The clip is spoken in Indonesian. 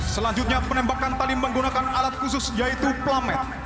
selanjutnya penembakan tali menggunakan alat khusus yaitu plamet